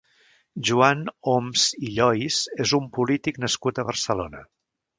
Joan Oms i Llohis és un polític nascut a Barcelona.